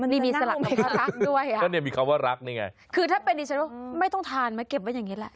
มันจะนั่งลงไปกับรักด้วยอะคือถ้าเป็นดิฉันว่าไม่ต้องทานมาเก็บไว้อย่างนี้แหละ